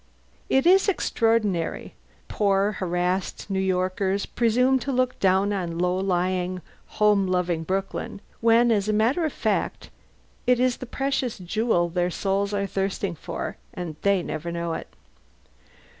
It is extraordinary: poor, harassed New Yorkers presume to look down on low lying, home loving Brooklyn, when as a matter of fact it is the precious jewel their souls are thirsting for and they never know it.